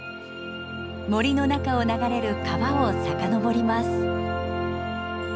森の中を流れる川を遡ります。